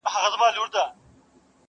چي مېږي ته خدای په قار سي وزر ورکړي٫